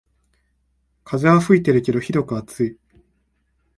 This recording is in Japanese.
風は吹いてるけどひどく暑い